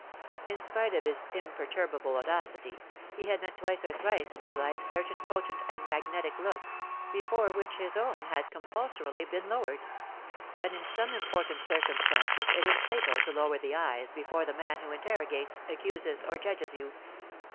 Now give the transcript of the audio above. In spite of his imperturbable audacity, he had met twice or thrice in his life certain potent and magnetic looks, before which his own had compulsorily been lowered; and in some important circumstances it is fatal to lower the eyes before the man who interrogates, accuses, or judges you.